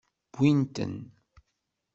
Wwint-ten.